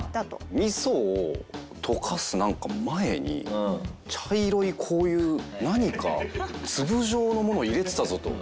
味噌を溶かす前に茶色いこういう何か粒状のもの入れてたぞと。